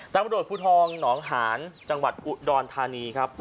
ตามบริโรธภูทองหนองหานจังหวัดอุดรธานีครับ